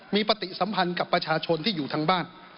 มีปฏิสัมพันธ์กับประชาชนที่อยู่ทางบ้าน